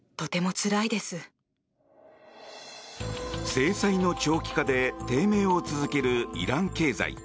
制裁の長期化で低迷を続けるイラン経済。